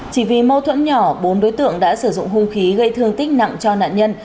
chỉ vì mâu thuẫn nhỏ bốn đối tượng đã sử dụng hung khí gây thương tích nặng cho nạn nhân